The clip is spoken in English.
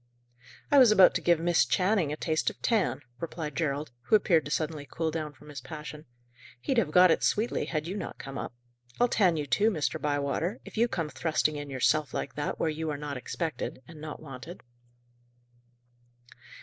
"I was about to give Miss Channing a taste of tan," replied Gerald, who appeared to suddenly cool down from his passion. "He'd have got it sweetly, had you not come up. I'll tan you too, Mr. Bywater, if you come thrusting in yourself, like that, where you are not expected, and not wanted."